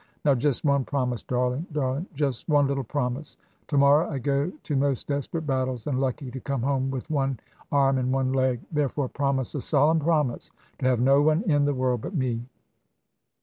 Now just one promise, darling, darling; just one little promise. To morrow I go to most desperate battles, and lucky to come home with one arm and one leg. Therefore, promise a solemn promise to have no one in the world but me."